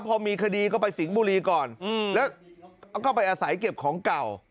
พอมีคดีก็ไปสิงห์บุรีก่อนแล้วก็ไปอาศัยเก็บของเก่า